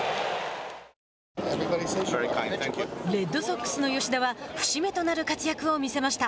レッドソックスの吉田は節目となる活躍を見せました。